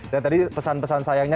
dan tadi pesan pesan sayangnya